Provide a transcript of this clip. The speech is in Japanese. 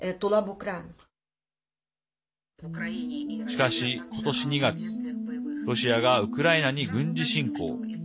しかし、ことし２月ロシアがウクライナに軍事侵攻。